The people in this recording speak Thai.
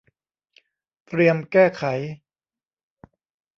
เตรียมแก้ไข